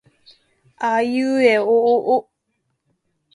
あいうえおおお